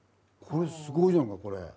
これすごいじゃんかこれ。